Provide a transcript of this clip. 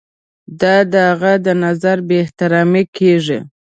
دا د هغه د نظر بې احترامي کیږي.